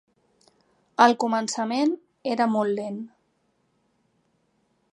Al començament, era molt lent.